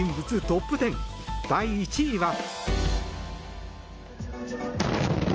トップ１０第１位は。